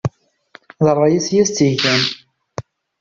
D ṛṛay-is i yas-tt-igan.